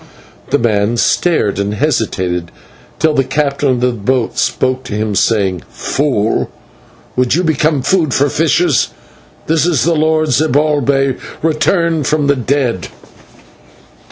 The man stared, and hesitated, till the captain of the boat spoke to him, saying: "Fool, would you become food for fishes? This is the Lord Zibalbay, returned from the dead."